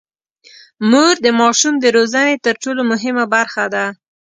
مور د ماشوم د روزنې تر ټولو مهمه برخه ده.